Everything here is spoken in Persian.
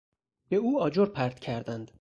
به او آجر پرت کردند.